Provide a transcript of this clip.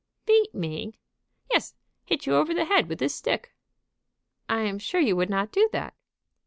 "Beat me!" "Yes; hit you over the head with this stick!" "I am sure you would not do that."